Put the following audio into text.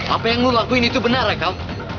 apa yang lo lakuin itu benar ya kal